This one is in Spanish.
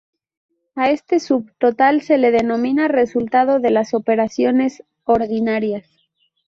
A este sub total se lo denomina Resultado de las operaciones ordinarias.